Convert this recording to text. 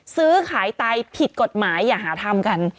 ซื้อขายไตผิดกฎหมายอย่าหาทำกัน